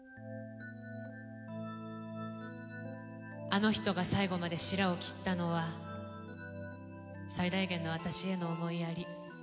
あの女が最後までしらを切ったのは最大限のあたしへの思いやり。